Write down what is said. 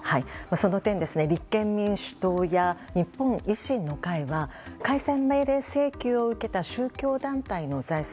その点、立憲民主党や日本維新の会は解散命令請求を受けた宗教団体の財産